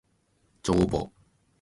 帳簿